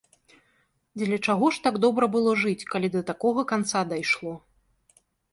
Дзеля чаго ж так добра было жыць, калі да такога канца дайшло?